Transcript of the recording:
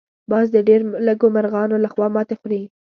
باز د ډېر لږو مرغانو لخوا ماتې خوري